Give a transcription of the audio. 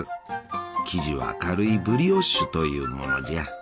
生地は軽いブリオッシュというものじゃ。